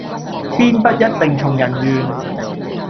天不一定從人願